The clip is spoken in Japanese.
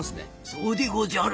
そうでごじゃる。